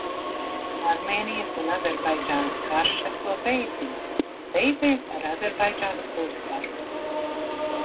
Armēnijas un Azerbaidžānas karš esot beidzies. Beidzies ar Azerbaidžānas uzvaru.